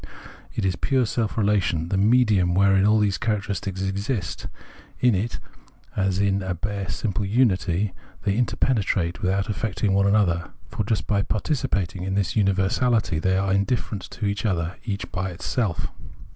It is pure self relation, the " medium " wherein all these characteristics exist : in it, as in a bare, simple unity, they interpenetrate without affecting one another; for just by participating in this universahty they are indifferent to each other, each by itself.